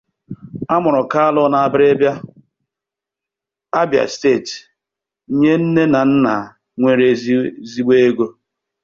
A mụrụ Kalu na Abiriba, Abia State nye nne na nna nwere ezigbo ego.